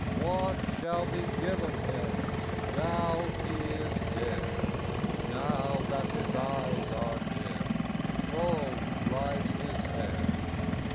What shall be given him, Now he is dead? Now that his eyes are dim, Low lies his head?